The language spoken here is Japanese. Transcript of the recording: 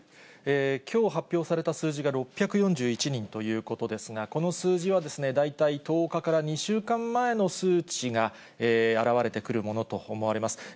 きょう発表された数字が６４１人ということですが、この数字は大体１０日から２週間前の数値が表れてくるものと思われます。